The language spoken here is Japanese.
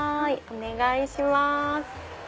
お願いします。